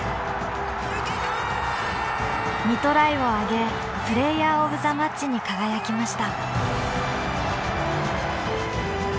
２トライをあげプレイヤーオブザマッチに輝きました。